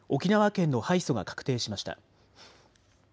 沖縄県の敗訴が確定しました。